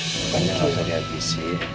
pokoknya gak usah di habisi